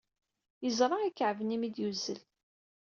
Yeẓra ikɛeb-nni mi d-yuzzel.